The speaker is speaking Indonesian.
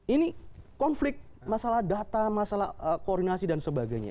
ini konflik masalah data masalah koordinasi dan sebagainya